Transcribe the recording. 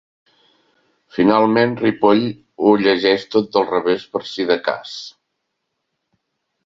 Finalment, Ripoll ho llegeix tot del revés per si de cas.